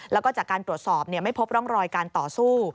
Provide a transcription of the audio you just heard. แล้วก็จากการตรวจสอบไม่พบร่องรอยการต่อสู้